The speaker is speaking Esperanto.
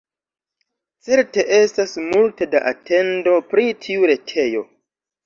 Certe estas multe da atendo pri tiu retejo.